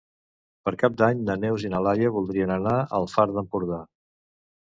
Per Cap d'Any na Neus i na Laia voldrien anar al Far d'Empordà.